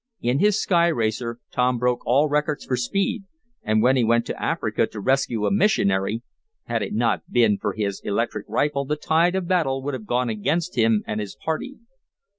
In his sky racer Tom broke all records for speed, and when he went to Africa to rescue a missionary, had it not been for his electric rifle the tide of battle would have gone against him and his party.